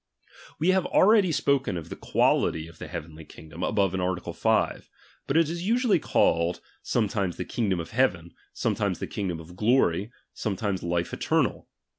We have already spoken of the quality of the heftrenhj kingdom, above in art. 5 ; but it is usually called, sometimes the kingdoiu of' heaven, sometimes the kingdom of glory, sometimes the life eternal.